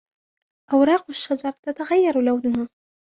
اوراق الشجر تتغير لونها.